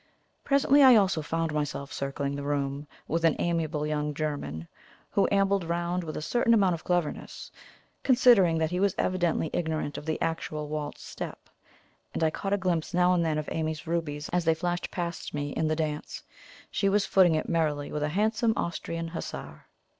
Presently I also found myself circling the room with an amiable young German, who ambled round with a certain amount of cleverness, considering that he was evidently ignorant of the actual waltz step; and I caught a glimpse now and then of Amy's rubies as they flashed past me in the dance she was footing it merrily with a handsome Austrian Hussar.